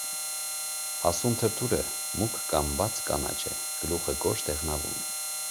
Հասուն թրթուրը մուգ կամ բաց կանաչ է, գլուխը՝ գորշ դեղնավուն։